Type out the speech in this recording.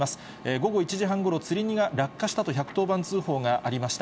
午後１時半ごろ、つり荷が落下したと１１０番通報がありました。